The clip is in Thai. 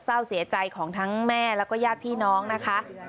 เศร้าเสียใจของทั้งแม่แล้วก็ญาติพี่น้องนะคะ